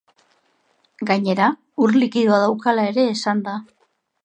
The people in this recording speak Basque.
Gainera, ur likidoa daukala ere esan da.